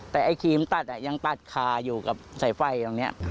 แต่ไอ้ครีมตัดยังตัดคาอยู่กับสายไฟตรงนี้